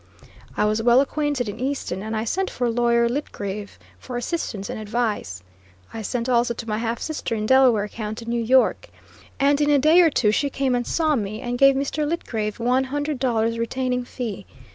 I was well acquainted in Easton, and I sent for lawyer Litgreave for assistance and advice. I sent also to my half sister in Delaware County, N. Y., and in a day or two she came and saw me, and gave Mr. Litgreave one hundred dollars retaining fee.